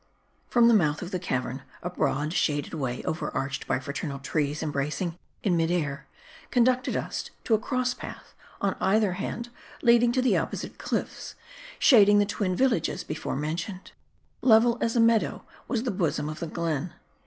FROM the mouth of the cavern, a broad shaded way over arched by fraternal trees embracing in mid air, conducted us to a cross path, on either hand leading to the opposite cliffs, shading the twin villages before mentioned. Level as a meadow, was the bosom of the glen.